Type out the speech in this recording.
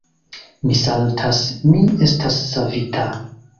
Mi saltas: mi estas savita.